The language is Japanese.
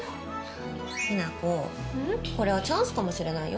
雛子これはチャンスかもしれないよ？